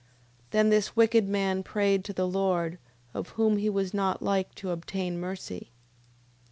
9:13. Then this wicked man prayed to the Lord, of whom he was not like to obtain mercy.